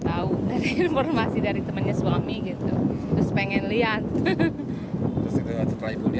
apa ya bagus sih